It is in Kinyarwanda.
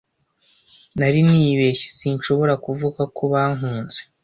Nari nibeshye? Sinshobora kuvuga ko bankunze.